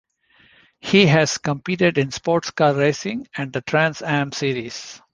He has competed in sportscar racing and the Trans-Am Series.